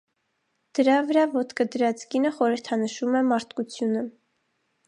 Դրա վրա ոտքը դրած կինը խորհրդանշում է մարդկությունը։